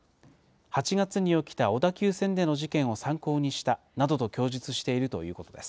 ８月に起きた小田急線での事件を参考にしたなどと供述しているということです。